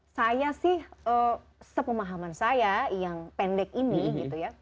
saya sih sepemahaman saya yang pendek ini gitu ya